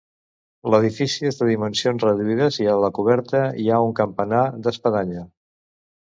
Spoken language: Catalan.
L'edifici és de dimensions reduïdes i a la coberta hi ha un campanar d'espadanya.